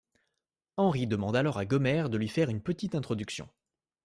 Henry demande alors à Gomer de lui faire une petite introduction.